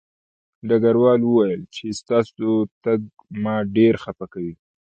ډګروال وویل چې ستاسو تګ ما ډېر خپه کوي